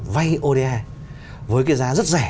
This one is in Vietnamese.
vay ô đa với cái giá rất rẻ